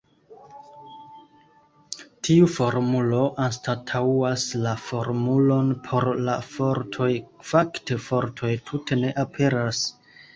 Tiu formulo anstataŭas la formulon por la fortoj; fakte fortoj tute ne aperas.